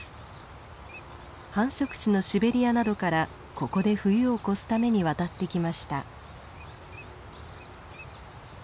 繁殖地のシベリアなどからここで冬を越すために渡ってきました。